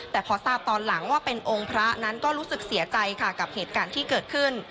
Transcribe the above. แต่พอทราบตอนหลังว่าเป็นองค์พระนั้นก็รู้สึกเสียใจค่ะกับเหตุการณ์ที่เกิดขึ้น